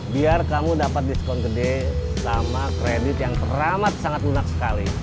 biar kamu dapat diskon gede sama kredit yang teramat sangat lunak sekali